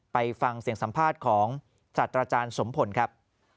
ไปฟังเสียงสัมภาษณ์ของสัตว์อาจารย์สมพลครับ